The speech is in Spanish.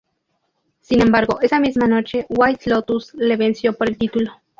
Sin embargo, esa misma noche, White Lotus le venció por el título.